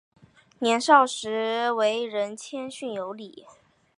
年少时为人谦逊有礼。